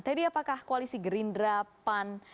teddy apakah koalisi gerindra pan